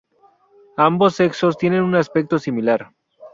Ambos sexo tienen un aspecto similar.